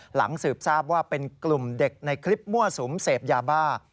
หลังสืบทราบว่าเป็นกลุ่มเด็กในคลิปมั่วสุมเสพยาบ้า